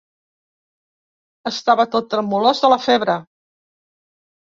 Estava tot tremolós de la febre.